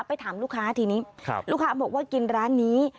ไปถามลูกค้าทีนี้ลูกค้าบอกว่ากินร้านนี้